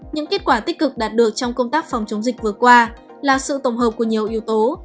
những kết quả tích cực đạt được trong công tác phòng chống dịch vừa qua là sự tổng hợp của nhiều yếu tố